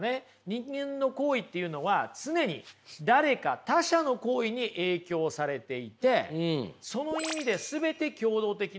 人間の行為っていうのは常に誰か他者の行為に影響されていてその意味で全て共同的なものだというとこなんですよ。